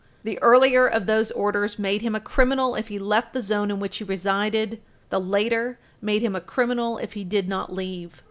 The earlier of those orders made him a criminal if he left the zone in which he resided; the later made him a criminal if he did not leave.